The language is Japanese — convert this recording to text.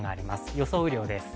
予想雨量です。